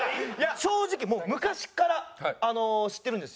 正直昔から知ってるんですよ。